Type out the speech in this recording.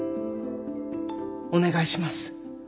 お願いします。